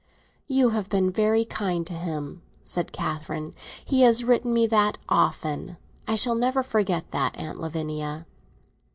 "You have been very kind to him," said Catherine. "He has written me that, often. I shall never forget that, Aunt Lavinia."